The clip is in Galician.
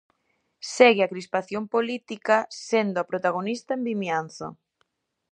Segue a crispación política sendo a protagonista en Vimianzo.